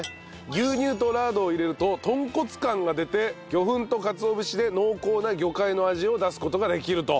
牛乳とラードを入れると豚骨感が出て魚粉とかつお節で濃厚な魚介の味を出す事ができると。